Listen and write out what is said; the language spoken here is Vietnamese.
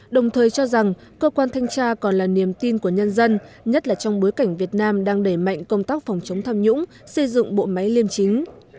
đồng thời cho rằng cơ quan thanh tra còn là niềm tin của nhân dân nhất là trong bối cảnh việt nam đang đẩy mạnh công tác phòng chống tham nhũng xây dựng bộ máy liêm chính